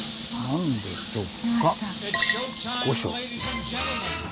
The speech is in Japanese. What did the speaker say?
何でしょうか。